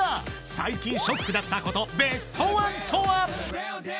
最近ショックだったことベストワンとは？